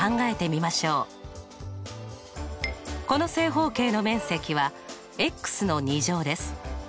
この正方形の面積はです。